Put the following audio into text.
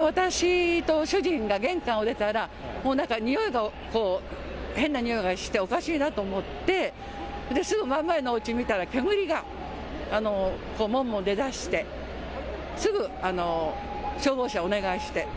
私と主人が玄関を出たら変なにおいがしておかしいなと思って、すぐに真ん前のおうちを見たら煙がもんもん出だしてすぐ消防車をお願いして。